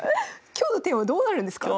今日のテーマどうなるんですか？